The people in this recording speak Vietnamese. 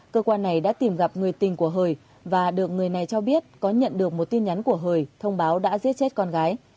cơ quan này đã tìm gặp người tình của hời và được người này cho biết có nhận được một tin nhắn của hời thông báo đã giết chết con gái